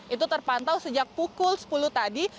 itu terpantau sejak pukul sepuluh tadi